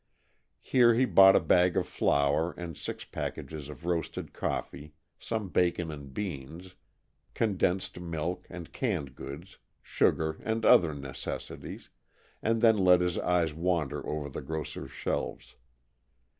Here he bought a bag of flour and six packages of roasted coffee, some bacon and beans, condensed milk and canned goods, sugar and other necessities, and then let his eyes wander over the grocer's shelves.